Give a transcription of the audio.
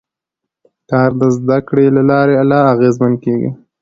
کار د زده کړې له لارې لا اغېزمن کېږي